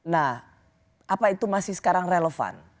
nah apa itu masih sekarang relevan